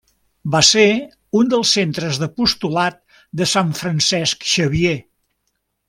Va ser un dels centres d'apostolat de sant Francesc Xavier.